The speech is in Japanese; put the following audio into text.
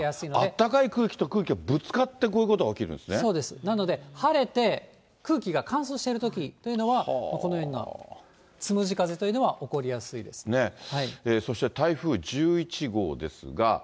あったかい空気と空気がぶつかって、こういうことが起こるんそうです、なので晴れて空気が乾燥しているときというのは、このようなつむじ風というのは起そして台風１１号ですが。